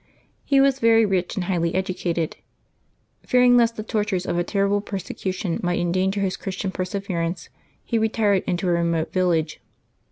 He was very rich and highly educated. Fearing lest the tortures of a terrible persecution might endanger his Christian perseverance, he retired into a remote village.